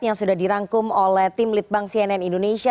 yang sudah dirangkum oleh tim litbang cnn indonesia